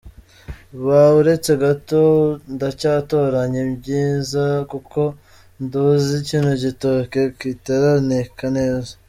Ba uretse gato, ndacyatoranya imyiza, kuko nduzi kino gitoke kitaraneka neza.”